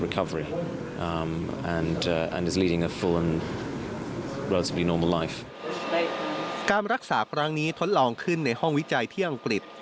การรักษาครั้งนี้ทดลองขึ้นในห้องวิจัยที่อังกฤษ